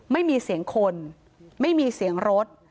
ไม่มีเสียงคนไม่มีเสียงรถ